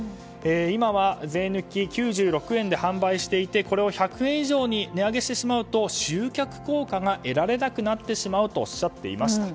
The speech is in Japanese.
今は税抜き９６円で販売していてこれを１００円以上に値上げしてしまうと集客効果が得られなくなってしまうとおっしゃっていました。